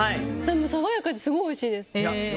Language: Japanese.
爽やかですごいおいしいです！